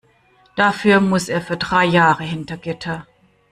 Dafür muss er für drei Jahre hinter Gitter.